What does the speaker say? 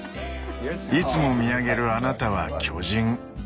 「いつも見上げるあなたは巨人。